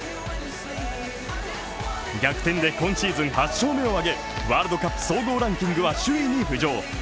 逆転で今シーズン８勝目を挙げワールドカップ総合ランキングは首位に浮上。